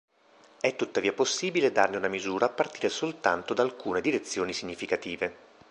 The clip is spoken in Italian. È tuttavia possibile darne una misura a partire soltanto da alcune direzioni significative.